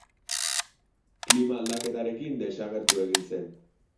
Klima aldaketarekin desagertu egin zen.